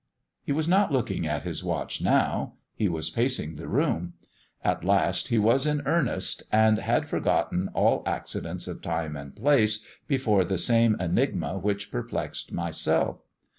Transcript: He was not looking at his watch now; he was pacing the room. At last, he was in earnest, and had forgotten all accidents of time and place before the same enigma which perplexed myself.